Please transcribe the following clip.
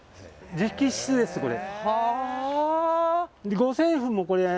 直筆です、これ。